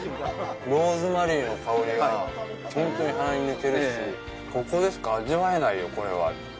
ローズマリーの香りが本当に鼻に抜けるし、ここでしか味わえないよ、これは。